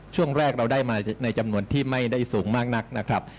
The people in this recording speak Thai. ช่วงแรกเราได้มาในจำนวนที่ไม่ได้สูงมากนักนะครับ